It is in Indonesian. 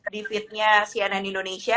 di feednya cnn indonesia